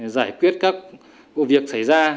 giải quyết các vụ việc xảy ra